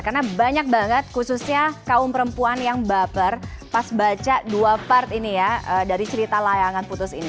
karena banyak banget khususnya kaum perempuan yang baper pas baca dua part ini ya dari cerita layangan putus ini